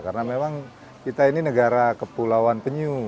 karena memang kita ini negara kepulauan penyu